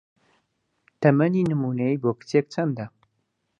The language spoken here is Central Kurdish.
تەمەنی نموونەیی بۆ کچێک چەندە؟